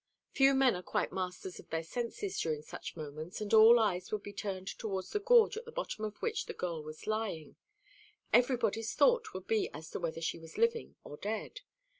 Few men are quite masters of their senses during such moments, and all eyes would be turned towards the gorge at the bottom of which the girl was lying; everybody's thought would be as to whether she was living or dead.